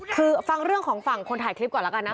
คือฟังเรื่องของฝั่งคนถ่ายคลิปก่อนแล้วกันนะ